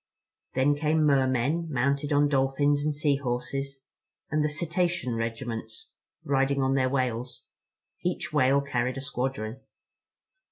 Then came Mer men, mounted on Dolphins and Sea Horses, and the Cetacean Regiments, riding on their whales. Each whale carried a squadron.